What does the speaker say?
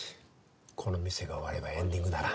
この店が終わればエンディングだな。